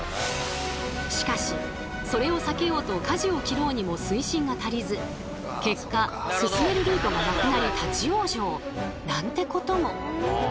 しかしそれを避けようとかじを切ろうにも水深が足りず結果進めるルートがなくなり立往生なんてことも。